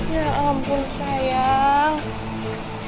ya ampun sayang